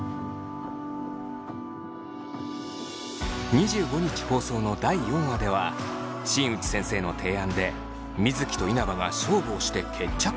２５日放送の第４話では新内先生の提案で水城と稲葉が勝負をして決着をつけることに。